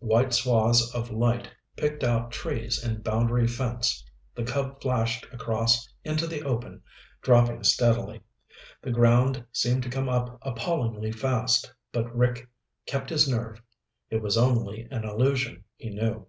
White swaths of light picked out trees and the boundary fence. The Cub flashed across into the open, dropping steadily. The ground seemed to come up appallingly fast, but Rick kept his nerve. It was only an illusion, he knew.